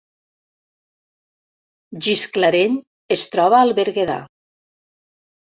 Gisclareny es troba al Berguedà